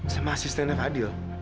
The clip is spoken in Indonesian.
sama asistennya fadil